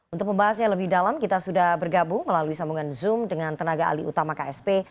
untuk membahasnya lebih dalam kita sudah bergabung melalui sambungan zoom dengan tenaga alih utama ksp